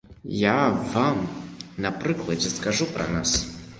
Я вам на прыкладзе скажу пра нас.